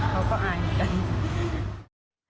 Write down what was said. เขาก็อายเหมือนกัน